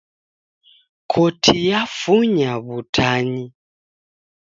Koti yafunya w'utanyi.